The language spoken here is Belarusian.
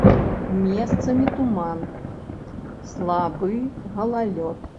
Месцамі туман, слабы галалёд.